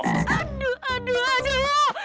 aduh aduh aduh